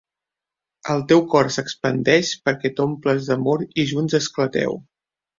El teu cor s'expandeix perquè t'omples d'amor i junts esclateu.